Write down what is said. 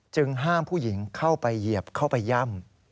ห้ามผู้หญิงเข้าไปเหยียบเข้าไปย่ำ